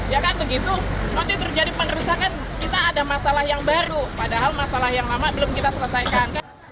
ya kan begitu nanti terjadi pengerusakan kita ada masalah yang baru padahal masalah yang lama belum kita selesaikan